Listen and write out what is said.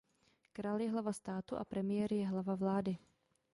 Král je hlava státu a premiér je hlava vlády.